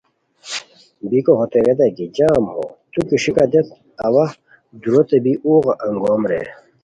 بیکو ہوتے ریتائے کی جم ہو تو کیݰیکہ دیت اوا دورتو بی اوغ انگوم رے،